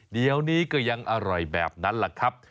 เดี๋ยวนี้ก็ยังอร่อยแบบนั้นแหละครับ